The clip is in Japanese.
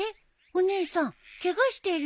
お姉さんケガしてるよ。